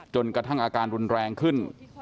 จนกระทั่งอาการรุนแรงขึ้น